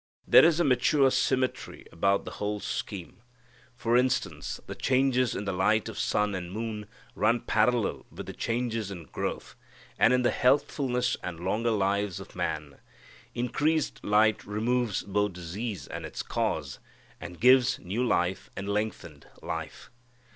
There is a mature symmetry about the whole scheme. For instance, the changes in the light of sun and moon run parallel with the changes in growth and in the healthfulness and longer lives of man. Increased light removes both disease and its cause, and gives new life and lengthened life.